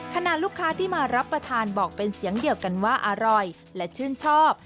ขณะลูกค้าที่มารับประทานบอกเป็นเสียงเดียวกันว่าอร่อยและชื่นชอบ